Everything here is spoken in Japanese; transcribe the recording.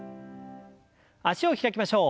脚を開きましょう。